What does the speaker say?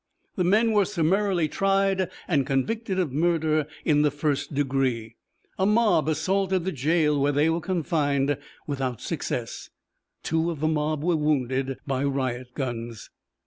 The men were summarily tried and convicted of murder in the first degree. A mob assaulted the jail where they were confined without success. Two of the mob were wounded by riot guns.